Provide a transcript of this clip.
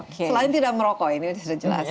selain tidak merokok ini sudah jelas